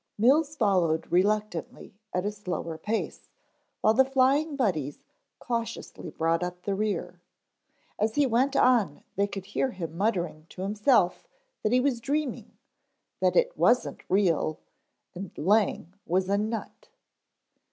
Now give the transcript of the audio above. Mills followed reluctantly at a slower pace, while the Flying Buddies cautiously brought up the rear. As he went on they could hear him muttering to himself that he was dreaming, that it wasn't real, and Lang was a nut.